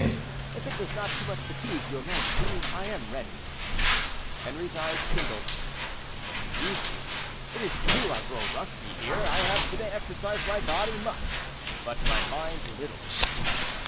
"If it does not too much fatigue your majesty, I am ready." Henri's eyes kindled. "Fatigue me! It is true I grow rusty here. I have to day exercised my body much, but my mind little."